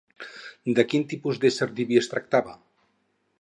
De quin tipus d'ésser diví es tractava?